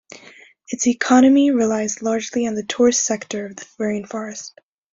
Its economy relies largely on the tourist sector of the rain forest.